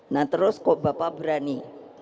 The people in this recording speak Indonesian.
nah terus kok bapak berani